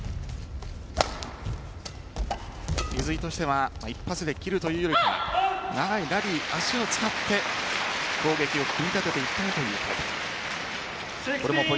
水井としては一発で切るというか長いラリー、足を使って攻撃を組み立てていきたいという戦い。